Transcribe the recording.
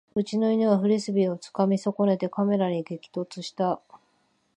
うちの犬はフリスビーをつかみ損ねてカメラに激突した